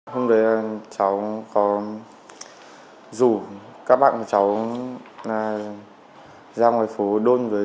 khi di chuyển đến địa bàn quận hà đông thì hai nhóm đối tượng đã lao vào đuổi nhau